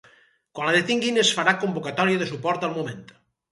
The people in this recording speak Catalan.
Quan la detinguin es farà convocatòria de suport al moment!